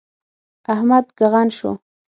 احمد ږغن شو.